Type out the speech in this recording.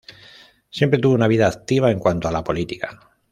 Siempre tuvo una vida activa en cuanto a la política.